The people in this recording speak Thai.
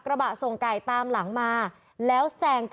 เพราะถูกทำร้ายเหมือนการบาดเจ็บเนื้อตัวมีแผลถลอก